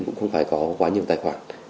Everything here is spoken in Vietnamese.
cũng không phải có quá nhiều tài khoản